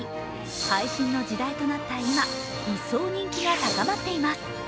配信の時代となった今、一層人気が高まっています。